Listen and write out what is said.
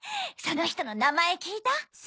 その人の名前聞いた？